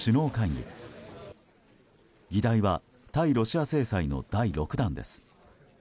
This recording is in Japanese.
議題は対ロシア制裁の第６弾です。